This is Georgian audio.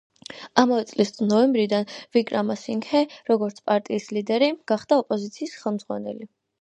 ამავე წლის ნოემბრიდან ვიკრამასინგჰე, როგორც პარტიის ლიდერი, გახდა ოპოზიციის ხელმძღვანელი.